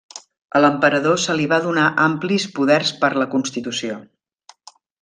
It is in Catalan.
A l'emperador se li va donar amplis poders per la Constitució.